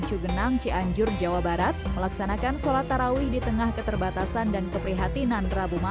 cugenang cianjur jawa barat melaksanakan sholat tarawih di tengah keterbatasan dan keprihatinan rabu malam